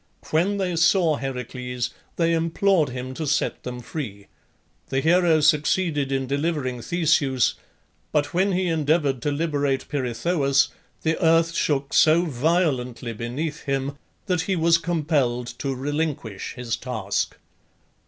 When they saw Heracles they implored him to set them free. The hero succeeded in delivering Theseus, but when he endeavoured to liberate Pirithoeus, the earth shook so violently beneath him that he was compelled to relinquish his task.